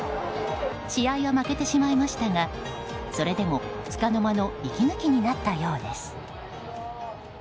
試合は負けてしまいましたがそれでも束の間の息抜きになったようです。